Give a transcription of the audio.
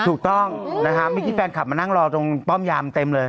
ถูกต้องอืมนะฮะไม่คิดแฟนคลับมานั่งรอตรงป้อมยามเต็มเลย